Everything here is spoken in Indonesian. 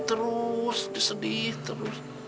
terus disedih terus